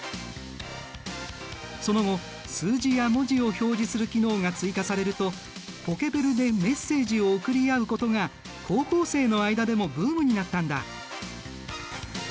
その後数字や文字を表示する機能が追加されるとポケベルでメッセージを送り合うことが高校生の間でもブームになったんだ。